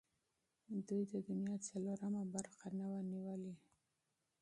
دوی د دنیا څلورمه برخه نه وه نیولې.